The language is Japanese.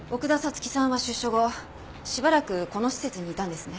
月さんは出所後しばらくこの施設にいたんですね？